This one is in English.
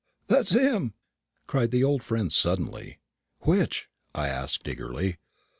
"That's him!" cried my old friend suddenly. "Which?" I asked eagerly.